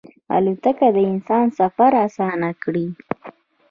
الوتکه د انسان سفر اسانه کړی.